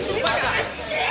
あっちぃ！